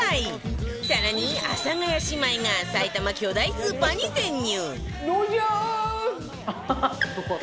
更に阿佐ヶ谷姉妹が埼玉巨大スーパーに潜入